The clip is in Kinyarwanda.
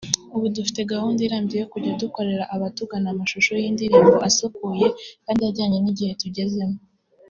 ubu dufite gahunda irambye yo kujya dukorera abatugana amashusho y’indirimbo asukuye kandi ajyanye n’igihe tugezemo